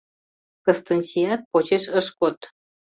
Кыстынчият почеш ыш код.